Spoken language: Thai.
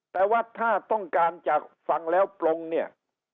แต่ว่าถ้าต้องการจากฟังแล้วปลงเนี่ย